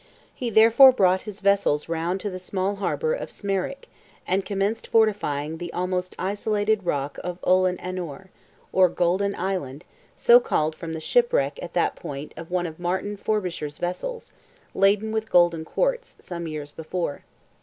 He therefore brought his vessels round to the small harbour of Smerwick, and commenced fortifying the almost isolated rock of Oilen an oir—or golden island, so called from the shipwreck at that point of one of Martin Forbisher's vessels, laden with golden quartz, some years before.